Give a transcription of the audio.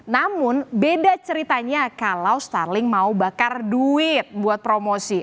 namun beda ceritanya kalau starling mau bakar duit buat promosi